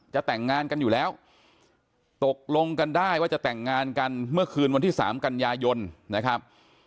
แต่งงานกันอยู่แล้วตกลงกันได้ว่าจะแต่งงานกันเมื่อคืนวันที่๓กันยายนนะครับ